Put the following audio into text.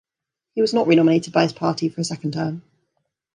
He was not renominated by his party for a second term.